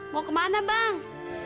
mau kemana bang